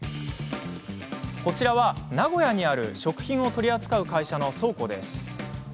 こちらは、名古屋にある食品を取り扱う会社の倉庫です。